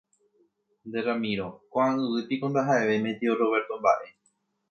Nde Ramiro, ko'ã yvy piko ndaha'evéima tio Roberto mba'e.